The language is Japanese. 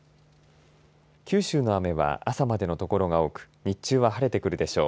九州の雨は朝までの所が多く日中は晴れてくるでしょう。